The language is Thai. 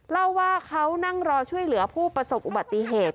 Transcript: เล่าว่าเขานั่งรอช่วยเหลือผู้ประสบอุบัติเหตุ